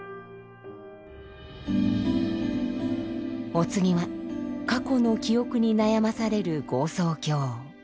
お次は過去の記憶に悩まされる業相境。